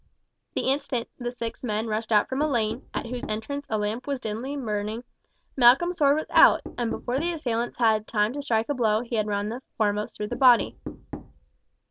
The instant the six men rushed out from a lane, at whose entrance a lantern was dimly burning, Malcolm's sword was out, and before the assailants had time to strike a blow he had run the foremost through the body.